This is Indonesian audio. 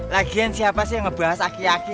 lagian siapa sih yang ngebahas aki aki